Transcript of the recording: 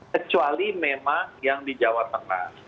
kecuali memang yang di jawa tengah